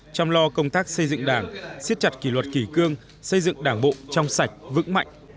chăm lo công tác xây dựng đảng siết chặt kỷ luật kỷ cương xây dựng đảng bộ trong sạch vững mạnh